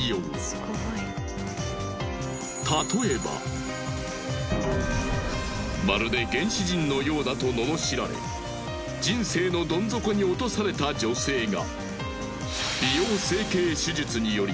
海外にはそれがまるで原始人のようだとののしられ人生のどん底に落とされた女性が。